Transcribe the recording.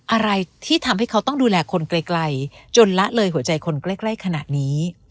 อะไรที่ทำให้เขาต้องดูแลคนไกลจนละเลยหัวใจคนใกล้ขนาดนี้